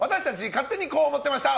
勝手にこう思ってました！